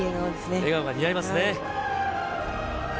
笑顔が似合いますね。